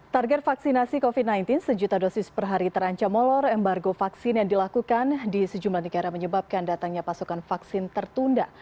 target vaksinasi covid sembilan belas sejuta dosis per hari terancam molor embargo vaksin yang dilakukan di sejumlah negara menyebabkan datangnya pasokan vaksin tertunda